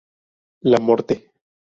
La Morte